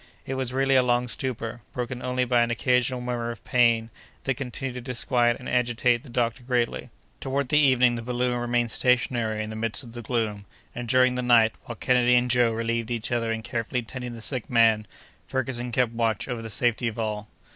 It was really a long stupor, broken only by an occasional murmur of pain that continued to disquiet and agitate the doctor greatly. Toward evening the balloon remained stationary in the midst of the gloom, and during the night, while Kennedy and Joe relieved each other in carefully tending the sick man, Ferguson kept watch over the safety of all.